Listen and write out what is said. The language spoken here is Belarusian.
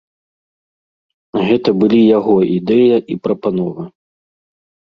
Гэта былі яго ідэя і прапанова.